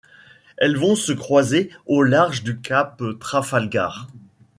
Elles vont se croiser au large du cap Trafalgar.